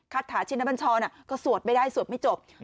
ถาชินบัญชรก็สวดไม่ได้สวดไม่จบ